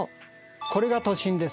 これが都心です。